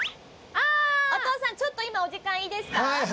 おとうさんちょっと今お時間いいですか？